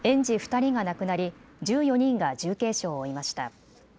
２人が亡くなり１４人が重軽傷を負いました。